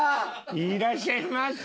いらっしゃいました。